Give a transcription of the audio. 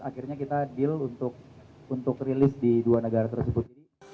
akhirnya kita deal untuk rilis di dua negara tersebut